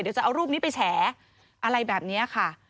เดี๋ยวจะเอารูปนี้ไปแฉอะไรแบบนี้ค่ะ